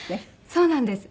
そうなんです。